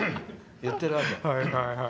って言ってるわけ。